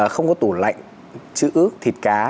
không có tủ lạnh chữ ước thịt cá